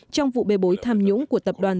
trong vụ bê bối tham nhũng của tập đoàn